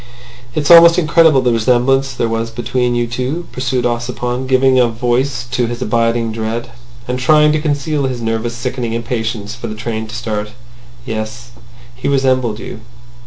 "It's almost incredible the resemblance there was between you two," pursued Ossipon, giving a voice to his abiding dread, and trying to conceal his nervous, sickening impatience for the train to start. "Yes; he resembled you."